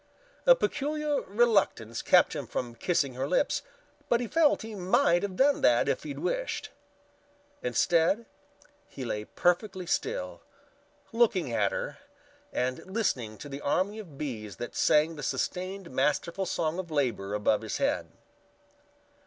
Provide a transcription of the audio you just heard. A peculiar reluctance kept him from kissing her lips, but he felt he might have done that if he wished. Instead, he lay perfectly still, looking at her and listening to the army of bees that sang the sustained masterful song of labor above his head.